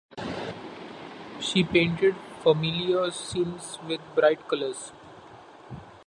She painted familiar scenes with bright colours.